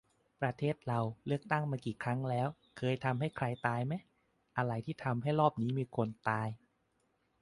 ประเทศเราเลือกตั้งมากี่ครั้งแล้ว เคยทำให้ใครตายไหม ? อะไรที่ทำให้รอบนี้มีคนตาย ?